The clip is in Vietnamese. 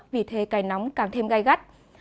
vì thế cài nóng càng thêm gai gắt